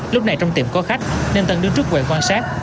lúc này trong tiệm có khách nên tân đứng trước quầy quan sát